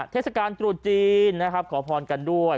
เทศกาลจูดจีนครับขอพอลกันด้วย